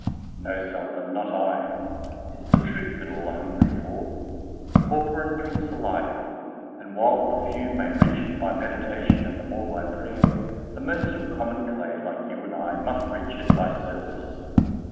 "No, Sullivan, not I; it's the Truth that all are hungry for Pauper and Prince alike and while the few may reach it by meditation and the more by prayer, the most of common clay like you and I must reach it by service."